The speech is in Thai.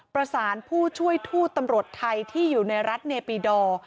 ประสานผู้ช่วยทูตตำรวจไทยที่อยู่ในรัฐเนปีดอร์